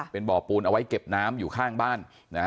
เป็นบ่อปูนเอาไว้เก็บน้ำอยู่ข้างบ้าน